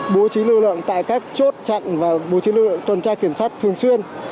bố trí lưu lượng tại các chốt chặn và bố trí lưu lượng tuần tra kiểm soát thường xuyên